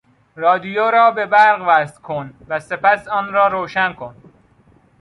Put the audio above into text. رادیو را به برق وصل کن و سپس آن را روشن کن.